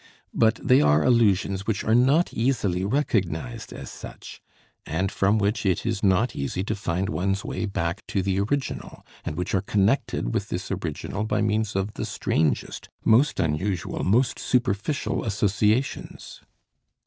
But they are allusions which are not easily recognized as such, and from which it is not easy to find one's way back to the original and which are connected with this original by means of the strangest, most unusual, most superficial associations.